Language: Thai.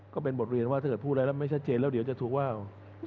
ก็เป็นบทเรียนว่าถ้าเกิดพูดอะไรแล้วไม่ชัดเจนแล้วเดี๋ยวจะถูกว่า